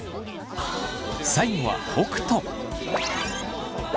最後は北斗。